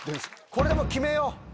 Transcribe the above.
これでもう決めよう！